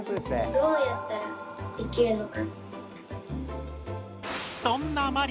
どうやったらできるのか。